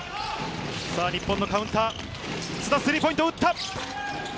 日本のカウンター、須田、スリーポイントを打った。